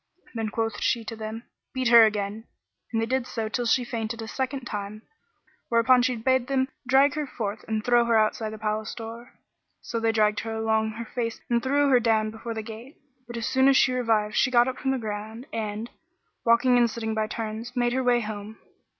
Then quoth she to them, "Beat her again" and they did so till she fainted a second time, whereupon she bade them drag her forth and throw her outside the palace door. So they dragged her along on her face and threw her down before the gate; but as soon as she revived she got up from the ground and, walking and sitting by turns, made her way home.